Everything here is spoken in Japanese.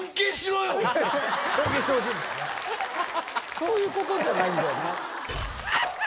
そういうことじゃないんだよな。